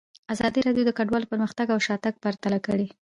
ازادي راډیو د کډوال پرمختګ او شاتګ پرتله کړی.